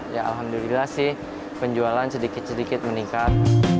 ya alhamdulillah sih penjualan sedikit sedikit meningkat